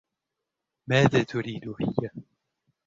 ماذا تريد هى ؟